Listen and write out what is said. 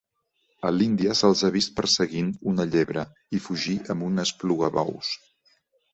A l'Índia, se'ls ha vist perseguint una llebre i fugir amb un esplugabous.